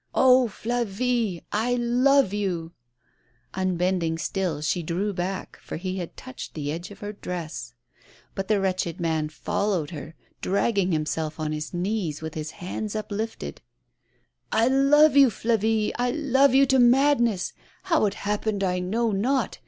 " Oh, Flavie, I love you 1 " Unbending still, she drew back, for he had touched the edge of her dress. But the wretched man followed A SPOILED TRIUMPH. 91 her, dragging himself on his knees with his hands uplifted. "1 love you, Flavie, I love you to madness! How it happened I know not.